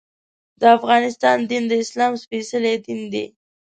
د افغانستان دین د اسلام سپېڅلی دین دی.